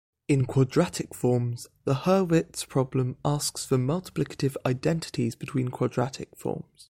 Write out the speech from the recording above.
In quadratic forms, the Hurwitz problem asks for multiplicative identities between quadratic forms.